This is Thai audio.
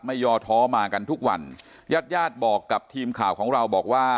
ยอท้อมากันทุกวันญาติญาติบอกกับทีมข่าวของเราบอกว่า